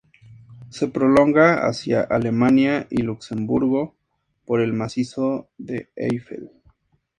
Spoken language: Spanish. Se prolonga hacia Alemania y Luxemburgo por el macizo de Eifel.